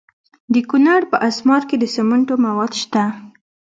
د کونړ په اسمار کې د سمنټو مواد شته.